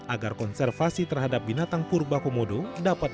agar konservasi terhadap binatang purba komodo dapat mencapai kemampuan